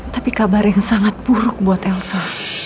tapi kabar yang sangat buruk buat elsa